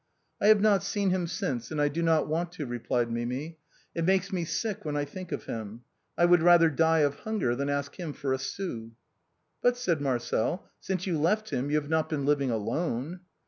" I have not seen him since and I do not want to," replied Mimi ;" it makes me sick when I think of him ; I would rather die of hunger than ask him for a sou." " But," said Marcel, " since you left him you have not been living alone."